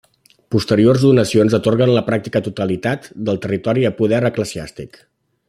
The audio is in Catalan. Posteriors donacions atorguen la pràctica totalitat del territori a poder eclesiàstic.